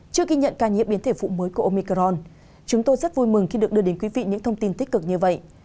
trước khi nhận ca nhiễm biến thể vụ mới của omicron chúng tôi rất vui mừng khi được đưa đến quý vị những thông tin tích cực như vậy